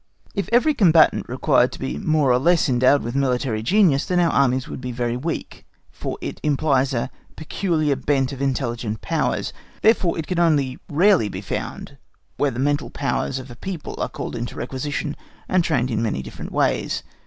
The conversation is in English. If every combatant required to be more or less endowed with military genius, then our armies would be very weak; for as it implies a peculiar bent of the intelligent powers, therefore it can only rarely be found where the mental powers of a people are called into requisition and trained in many different ways.